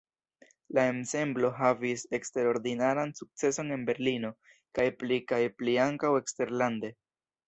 La ensemblo havis eksterordinaran sukceson en Berlino, kaj pli kaj pli ankaŭ eksterlande.